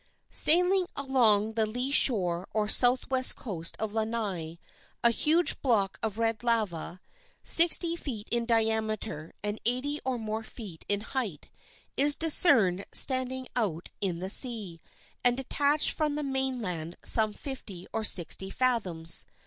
Sailing along the lee shore or southwest coast of Lanai, a huge block of red lava, sixty feet in diameter and eighty or more feet in height, is discerned standing out in the sea, and detached from the mainland some fifty or sixty fathoms.